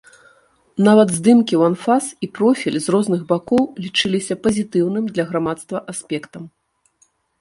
Нават здымкі у анфас і профіль з розных бакоў лічыліся пазітыўным для грамадства аспектам.